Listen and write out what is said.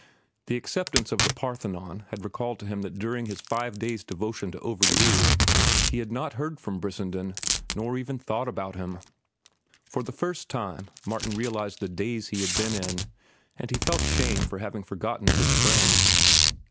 The acceptance of The Parthenon had recalled to him that during his five days' devotion to "Overdue" he had not heard from Brissenden nor even thought about him. For the first time Martin realized the daze he had been in, and he felt shame for having forgotten his friend.